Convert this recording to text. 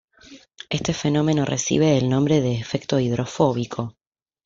Este fenómeno recibe el nombre de efecto hidrofóbico.